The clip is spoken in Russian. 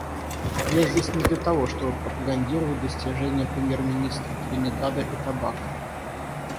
Я здесь не для того, чтобы пропагандировать достижения премьер-министра Тринидада и Тобаго.